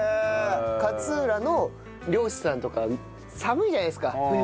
勝浦の漁師さんとか寒いじゃないですか冬。